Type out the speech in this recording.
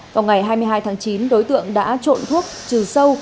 vào ngày hai mươi hai tháng chín đối tượng đã trộn thuốc trừ sâu